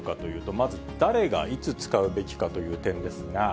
まず誰がいつ使うべきかという点ですが。